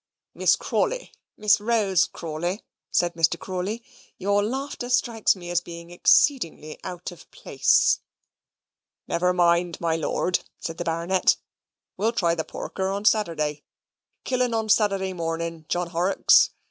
"Miss Crawley, Miss Rose Crawley," said Mr. Crawley, "your laughter strikes me as being exceedingly out of place." "Never mind, my lord," said the Baronet, "we'll try the porker on Saturday. Kill un on Saturday morning, John Horrocks.